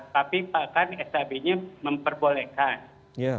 tapi pak kan skb nya memperbolehkan